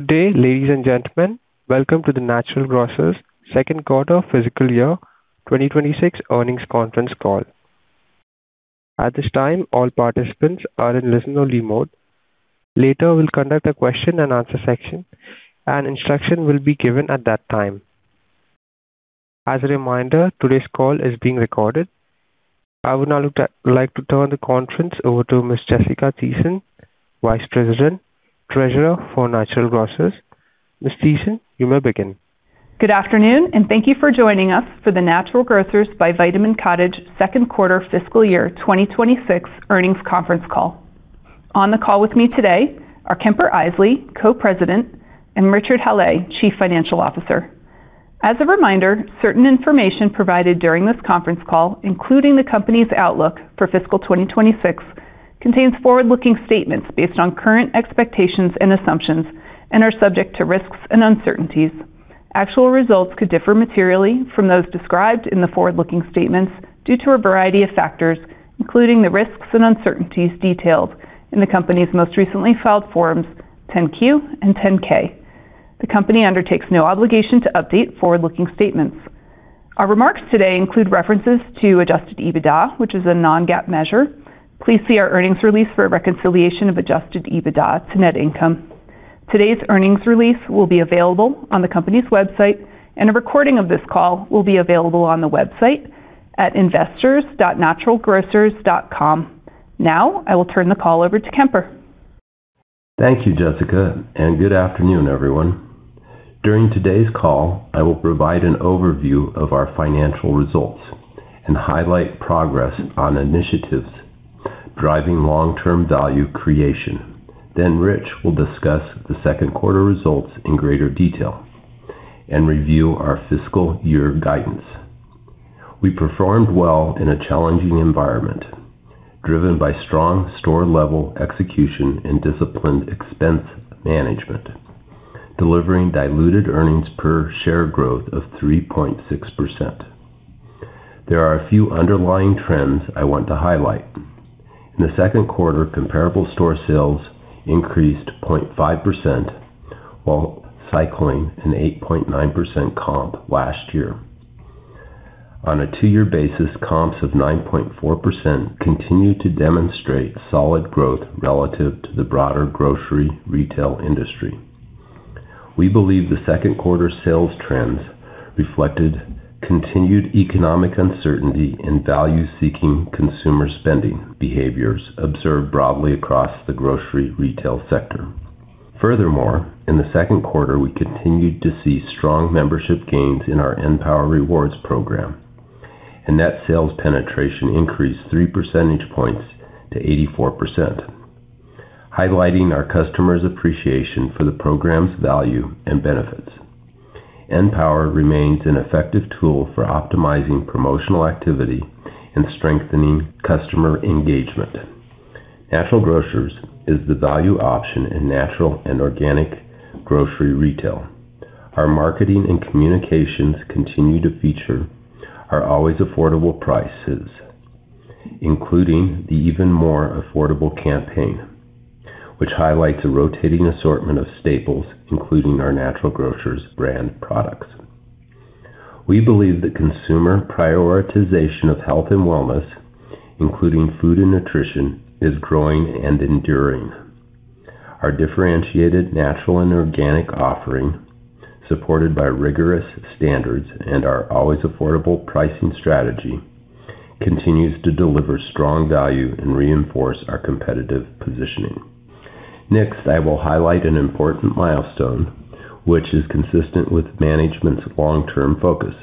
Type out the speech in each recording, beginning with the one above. Good day, ladies and gentlemen. Welcome to the Natural Grocers Second Quarter Fiscal Year 2026 Earnings Conference Call. At this time, all participants are in listen-only mode. Later, we'll conduct a question-and-answer section, and instruction will be given at that time. As a reminder, today's call is being recorded. I would now like to turn the conference over to Ms. Jessica Thiessen, Vice President, Treasurer for Natural Grocers. Ms. Thiessen, you may begin. Good afternoon, thank you for joining us for the Natural Grocers by Vitamin Cottage second quarter fiscal year 2026 earnings conference call. On the call with me today are Kemper Isely, Co-President, and Richard Hallé, Chief Financial Officer. As a reminder, certain information provided during this conference call, including the company's outlook for fiscal 2026, contains forward-looking statements based on current expectations and assumptions and are subject to risks and uncertainties. Actual results could differ materially from those described in the forward-looking statements due to a variety of factors, including the risks and uncertainties detailed in the company's most recently filed Forms 10-Q and 10-K. The company undertakes no obligation to update forward-looking statements. Our remarks today include references to adjusted EBITDA, which is a non-GAAP measure. Please see our earnings release for a reconciliation of adjusted EBITDA to net income. Today's earnings release will be available on the company's website, and a recording of this call will be available on the website at investors.naturalgrocers.com. Now, I will turn the call over to Kemper. Thank you, Jessica, and good afternoon, everyone. During today's call, I will provide an overview of our financial results and highlight progress on initiatives driving long-term value creation. Rich will discuss the second quarter results in greater detail and review our fiscal year guidance. We performed well in a challenging environment driven by strong store-level execution and disciplined expense management, delivering diluted earnings per share growth of 3.6%. There are a few underlying trends I want to highlight. In the second quarter, comparable store sales increased 0.5% while cycling an 8.9% comp last year. On a two-year basis, comps of 9.4% continue to demonstrate solid growth relative to the broader grocery retail industry. We believe the second quarter sales trends reflected continued economic uncertainty and value-seeking consumer spending behaviors observed broadly across the grocery retail sector. Furthermore, in the second quarter, we continued to see strong membership gains in our {N}power Rewards program. Net sales penetration increased 3 percentage points to 84%, highlighting our customers appreciation for the program's value and benefits. {N}power remains an effective tool for optimizing promotional activity and strengthening customer engagement. Natural Grocers is the value option in natural and organic grocery retail. Our marketing and communications continue to feature our always affordable prices, including the Even More Affordable campaign, which highlights a rotating assortment of staples, including our Natural Grocers brand products. We believe the consumer prioritization of health and wellness, including food and nutrition, is growing and enduring. Our differentiated natural and organic offering, supported by rigorous standards and our always affordable pricing strategy, continues to deliver strong value and reinforce our competitive positioning. Next, I will highlight an important milestone which is consistent with management's long-term focus.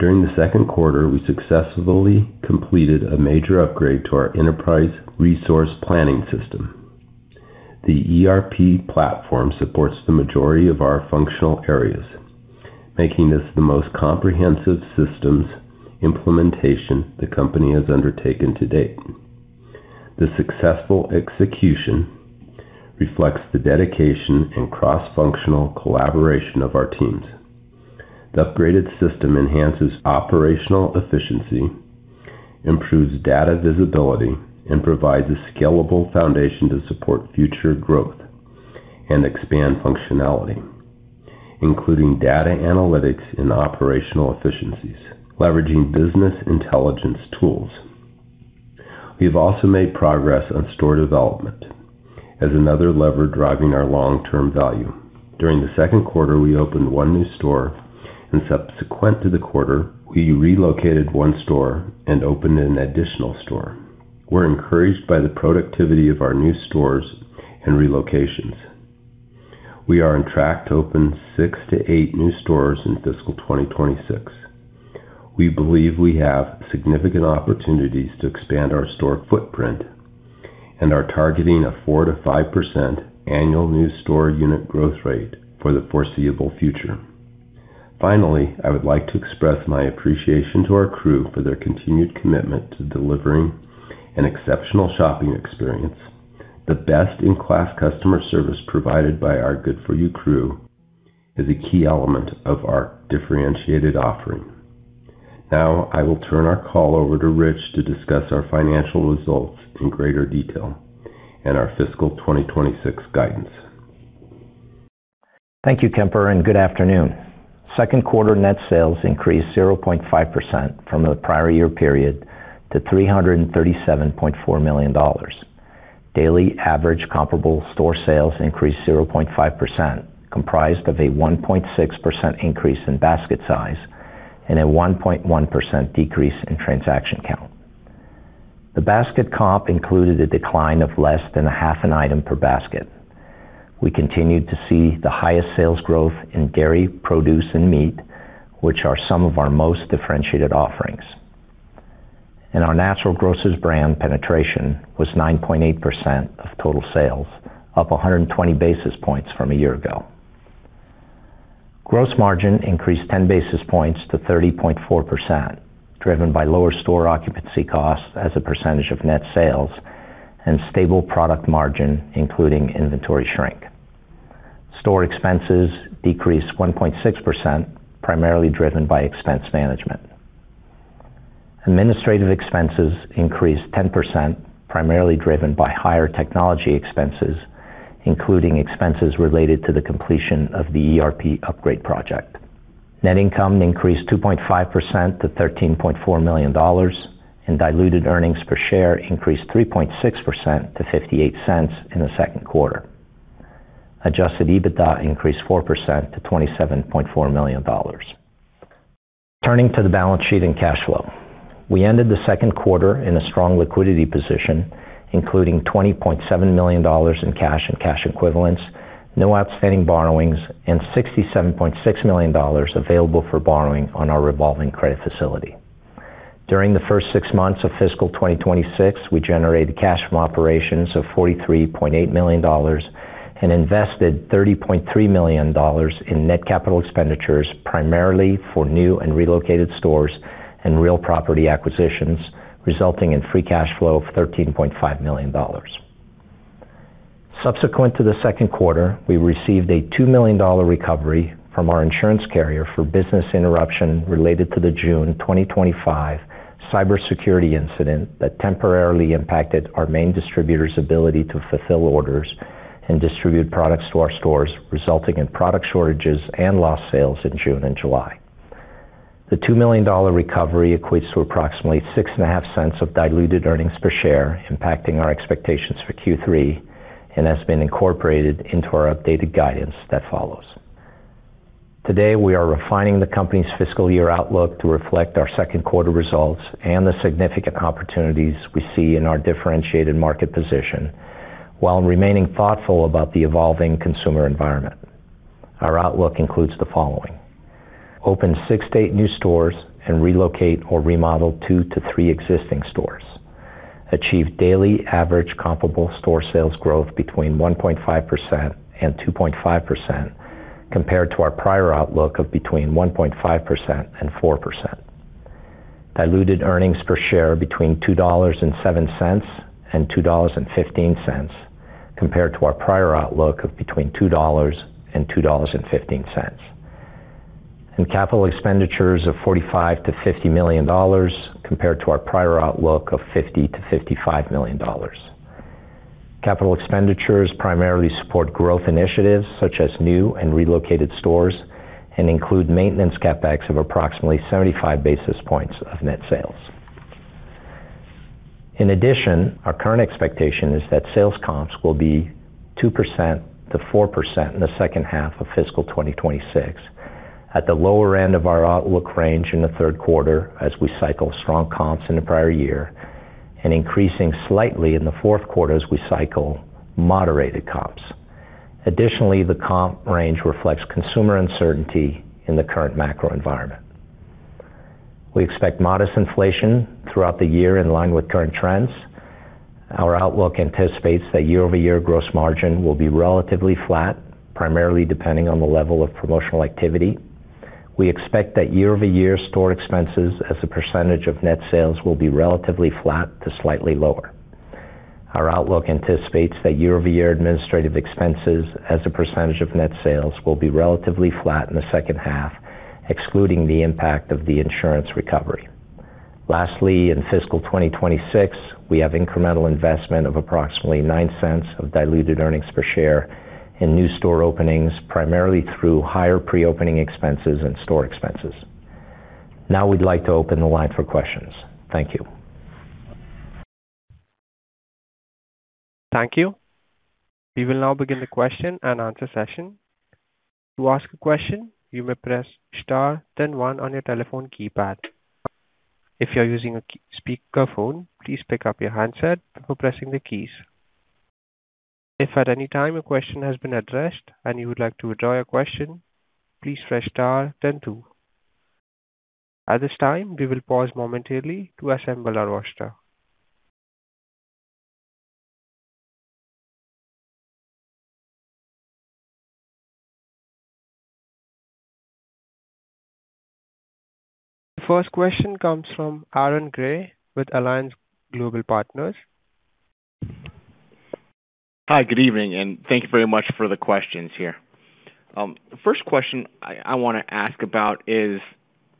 During the second quarter, we successfully completed a major upgrade to our enterprise resource planning system. The ERP platform supports the majority of our functional areas, making this the most comprehensive systems implementation the company has undertaken to date. The successful execution reflects the dedication and cross-functional collaboration of our teams. The upgraded system enhances operational efficiency, improves data visibility, and provides a scalable foundation to support future growth and expand functionality, including data analytics and operational efficiencies, leveraging business intelligence tools. We've also made progress on store development as another lever driving our long-term value. During the second quarter, we opened one new store, and subsequent to the quarter, we relocated one store and opened an additional store. We're encouraged by the productivity of our new stores and relocations. We are on track to open six to eight new stores in fiscal 2026. We believe we have significant opportunities to expand our store footprint and are targeting a 4%-5% annual new store unit growth rate for the foreseeable future. Finally, I would like to express my appreciation to our crew for their continued commitment to delivering an exceptional shopping experience. The best-in-class customer service provided by our good4u Crew is a key element of our differentiated offering. Now I will turn our call over to Rich to discuss our financial results in greater detail and our fiscal 2026 guidance. Thank you, Kemper. Good afternoon. Second quarter net sales increased 0.5% from the prior year period to $337.4 million. Daily average comparable store sales increased 0.5%, comprised of a 1.6% increase in basket size and a 1.1% decrease in transaction count. The basket comp included a decline of less than a half an item per basket. We continued to see the highest sales growth in dairy, produce and meat, which are some of our most differentiated offerings. Our Natural Grocers brand penetration was 9.8% of total sales, up 120 basis points from a year ago. Gross margin increased 10 basis points to 30.4%, driven by lower store occupancy costs as a percentage of net sales and stable product margin, including inventory shrink. Store expenses decreased 1.6%, primarily driven by expense management. Administrative expenses increased 10%, primarily driven by higher technology expenses, including expenses related to the completion of the ERP upgrade project. Net income increased 2.5% to $13.4 million, and diluted earnings per share increased 3.6% to $0.58 in the second quarter. Adjusted EBITDA increased 4% to $27.4 million. Turning to the balance sheet and cash flow. We ended the second quarter in a strong liquidity position, including $20.7 million in cash and cash equivalents, no outstanding borrowings, and $67.6 million available for borrowing on our revolving credit facility. During the first six-months of fiscal 2026, we generated cash from operations of $43.8 million and invested $30.3 million in net capital expenditures, primarily for new and relocated stores and real property acquisitions, resulting in free cash flow of $13.5 million. Subsequent to the second quarter, we received a $2 million recovery from our insurance carrier for business interruption related to the June 2025 cybersecurity incident that temporarily impacted our main distributor's ability to fulfill orders and distribute products to our stores, resulting in product shortages and lost sales in June and July. The $2 million recovery equates to approximately $6.5 of diluted earnings per share, impacting our expectations for Q3, and that's been incorporated into our updated guidance that follows. Today, we are refining the company's fiscal year outlook to reflect our second quarter results and the significant opportunities we see in our differentiated market position while remaining thoughtful about the evolving consumer environment. Our outlook includes the following: Open six to eight new stores and relocate or remodel two to three existing stores. Achieve daily average comparable store sales growth between 1.5% and 2.5% compared to our prior outlook of between 1.5% and 4%. Diluted earnings per share between $2.07 and $2.15 compared to our prior outlook of between $2.00 and $2.15. Capital expenditures of $45 million-$50 million compared to our prior outlook of $50 million-$55 million. Capital expenditures primarily support growth initiatives such as new and relocated stores and include maintenance CapEx of approximately 75 basis points of net sales. In addition, our current expectation is that sales comps will be 2%-4% in the second half of fiscal 2026 at the lower end of our outlook range in the third quarter as we cycle strong comps in the prior year and increasing slightly in the fourth quarter as we cycle moderated comps. Additionally, the comp range reflects consumer uncertainty in the current macro environment. We expect modest inflation throughout the year in line with current trends. Our outlook anticipates that year-over-year gross margin will be relatively flat, primarily depending on the level of promotional activity. We expect that year-over-year store expenses as a percentage of net sales will be relatively flat to slightly lower. Our outlook anticipates that year-over-year administrative expenses as a percentage of net sales will be relatively flat in the second half, excluding the impact of the insurance recovery. Lastly, in fiscal 2026, we have incremental investment of approximately $0.09 of diluted earnings per share in new store openings, primarily through higher pre-opening expenses and store expenses. We'd like to open the line for questions. Thank you. Thank you. We will now begin the question and answer session. The first question comes from Aaron Grey with Alliance Global Partners. Hi, good evening, and thank you very much for the questions here. The first question I wanna ask about is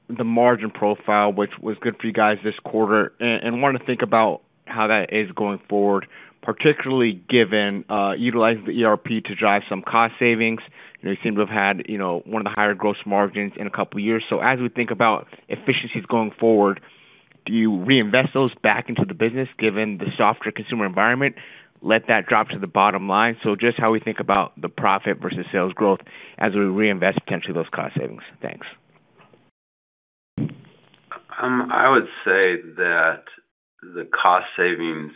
the margin profile, which was good for you guys this quarter. I wanna think about how that is going forward, particularly given utilizing the ERP to drive some cost savings. You know, you seem to have had, you know, one of the higher gross margins in a couple years. As we think about efficiencies going forward, do you reinvest those back into the business, given the softer consumer environment, let that drop to the bottom line? Just how we think about the profit versus sales growth as we reinvest potentially those cost savings. Thanks. I would say that the cost savings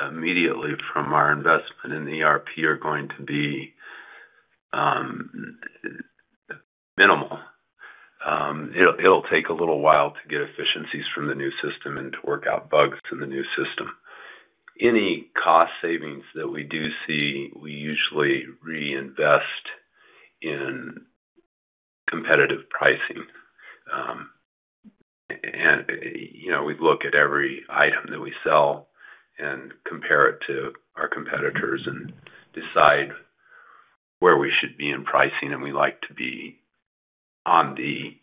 immediately from our investment in ERP are going to be minimal. It'll take a little while to get efficiencies from the new system and to work out bugs in the new system. Any cost savings that we do see, we usually reinvest in competitive pricing. You know, we look at every item that we sell and compare it to our competitors and decide where we should be in pricing, and we like to be on the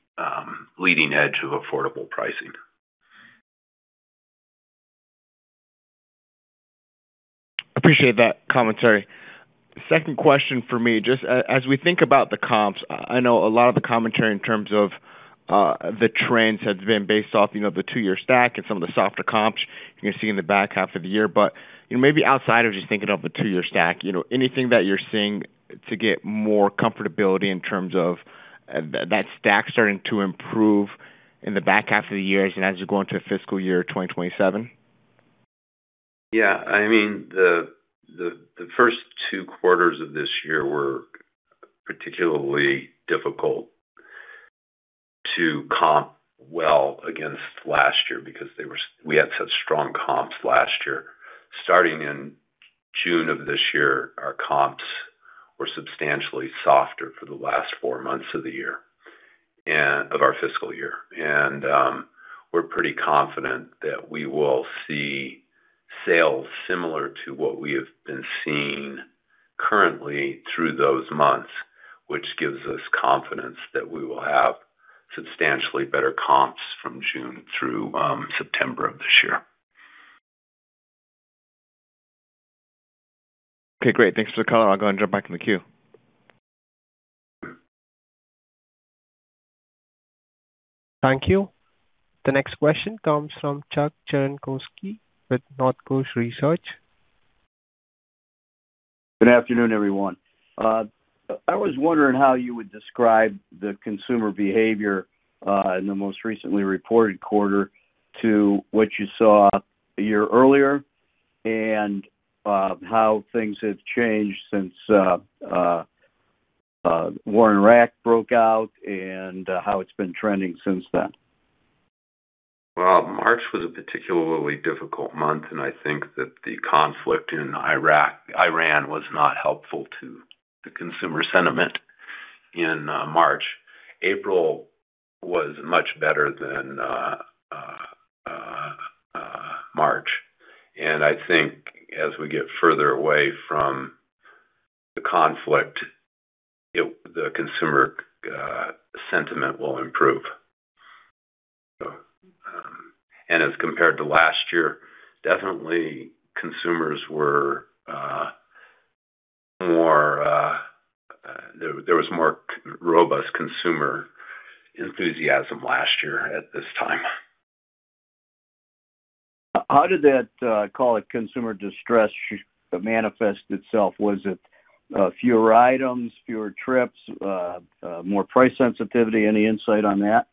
leading edge of affordable pricing. Appreciate that commentary. Second question for me, as we think about the comps, I know a lot of the commentary in terms of the trends has been based off, you know, the two-year stack and some of the softer comps you're gonna see in the back half of the year. You know, maybe outside of just thinking of a two-year stack, you know, anything that you're seeing to get more comfortability in terms of that stack starting to improve in the back half of the year as you know, as you go into fiscal year 2027? Yeah. I mean, the, the first two quarters of this year were particularly difficult to comp well against last year because they were we had such strong comps last year. Starting in June of this year, our comps were substantially softer for the last four-months of the year of our fiscal year. We're pretty confident that we will see sales similar to what we have been seeing currently through those months, which gives us confidence that we will have substantially better comps from June through September of this year. Okay, great. Thanks for the color. I'll go and jump back in the queue. Thank you. The next question comes from Chuck Cerankosky with Northcoast Research. Good afternoon, everyone. I was wondering how you would describe the consumer behavior in the most recently reported quarter to what you saw a year earlier, how things have changed since war in Iraq broke out and how it's been trending since then? March was a particularly difficult month. I think that the conflict in Iran was not helpful to the consumer sentiment in March. April was much better than March. I think as we get further away from the conflict, the consumer sentiment will improve. As compared to last year, definitely there was more robust consumer enthusiasm last year at this time. How did that, call it consumer distress, manifest itself? Was it, fewer items, fewer trips, more price sensitivity? Any insight on that?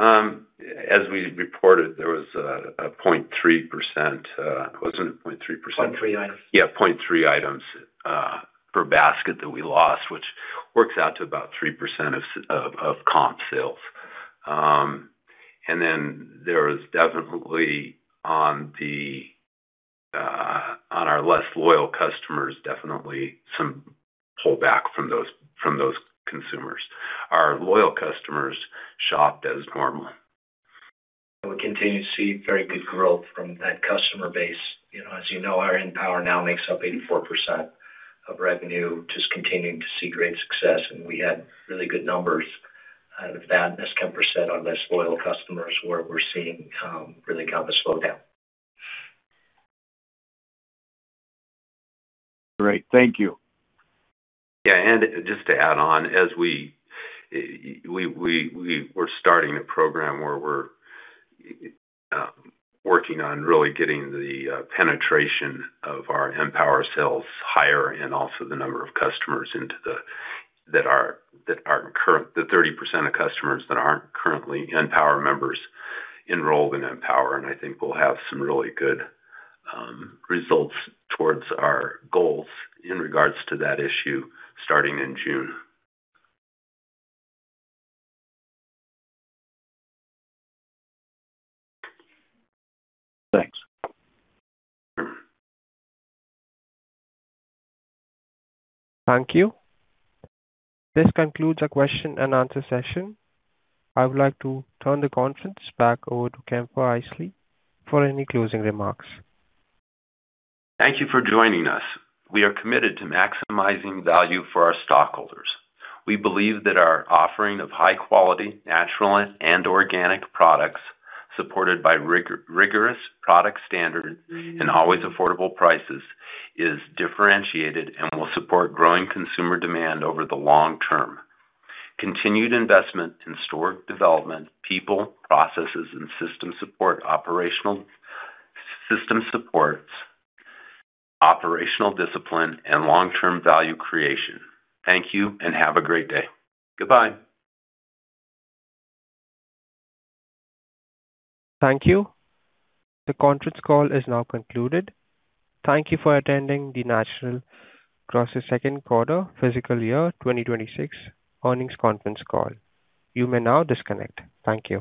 As we reported, there was a 0.3%. Wasn't it 0.3%? 0.3% Items. Yeah, 0.3% items per basket that we lost, which works out to about 3% of comp sales. There was definitely on the on our less loyal customers, definitely some pullback from those consumers. Our loyal customers shopped as normal. We continue to see very good growth from that customer base. You know, as you know, our {N}power now makes up 84% of revenue, just continuing to see great success. We had really good numbers out of that. As Kemp said, our less loyal customers we're seeing really kind of a slowdown. Great. Thank you. Just to add on, as we're starting a program where we're working on really getting the penetration of our {N}power sales higher and also the number of customers the 30% of customers that aren't currently {N}power members enrolled in {N}power. I think we'll have some really good results towards our goals in regards to that issue starting in June. Thanks. Thank you. This concludes our question-and-answer session. I would like to turn the conference back over to Kemper Isely for any closing remarks. Thank you for joining us. We are committed to maximizing value for our stockholders. We believe that our offering of high quality, natural and organic products supported by rigorous product standard and always affordable prices is differentiated and will support growing consumer demand over the long term. Continued investment in store development, people, processes, and system supports, operational discipline, and long-term value creation. Thank you and have a great day. Goodbye. Thank you. The conference call is now concluded. Thank you for attending the Natural Grocers second quarter fiscal year 2026 earnings conference call. You may now disconnect. Thank you.